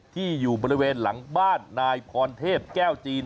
ที่อยู่บริเวณหลังบ้านนายพรเทพแก้วจีน